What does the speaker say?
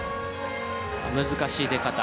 難しい出方。